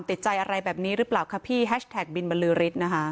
ติดใจอะไรแบบนี้หรือเปล่าคะพี่แฮชแท็กบินบรรลือฤทธิ์นะคะ